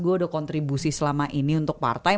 gue udah kontribusi selama ini untuk partai